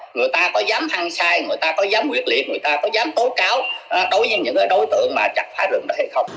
người ta có dám ăn sai người ta có dám quyết liệt người ta có dám tố cáo đối với những đối tượng mà chặt phá rừng đó hay không